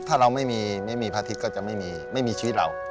ถ้าเราไม่มีพระอาทิตย์ก็จะไม่มีชีวิตเรา